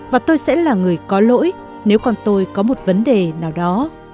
và tôi sẽ là người có lỗi nếu con tôi có một vấn đề nào đó